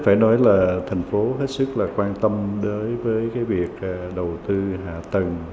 phải nói là tp hcm hết sức quan tâm đối với việc đầu tư hạ tầng